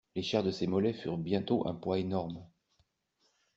Les chairs de ses mollets furent bientôt un poids énorme.